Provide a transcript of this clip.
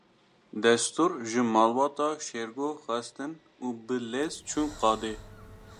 Destûr ji malbata Şêrgo xwestin û bi lez çûn qadê.